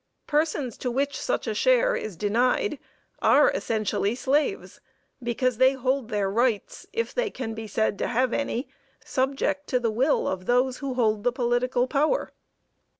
Persons to which such share is denied, are essentially slaves, because they hold their rights, if they can be said to have any, subject to the will of those who hold the political power.